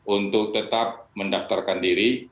untuk tetap mendaftarkan diri